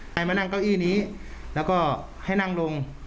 ให้มานั่งเก้าอี้นี้แล้วก็ให้นั่งลง